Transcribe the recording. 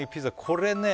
これね